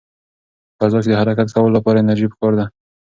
په فضا کې د حرکت کولو لپاره انرژي پکار ده.